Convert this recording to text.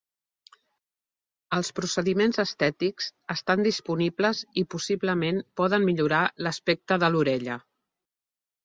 Els procediments estètics estan disponibles i possiblement poden millorar l'aspecte de l'orella.